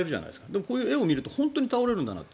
でもこういう画を見ると本当に倒れるんだなと。